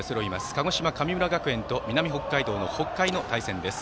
鹿児島、神村学園と南北海道の北海の対戦です。